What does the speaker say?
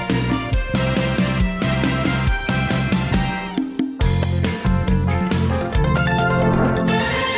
สวัสดีค่ะสวัสดีครับ